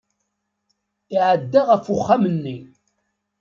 Iɛedda ɣef uxxam-nni.